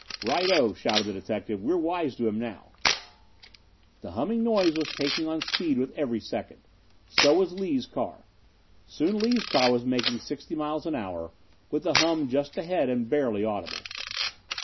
"Righto!" shouted the detective. "We're wise to him now." The humming noise was taking on speed with every second. So was Lees' car. Soon Lees' car was making sixty miles an hour with the hum just ahead and barely audible.